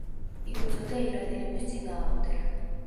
იბრძოდა ირანელების წინააღმდეგ.